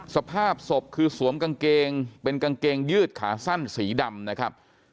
สภาพศพคือสวมกางเกงเป็นกางเกงยืดขาสั้นสีดำนะครับ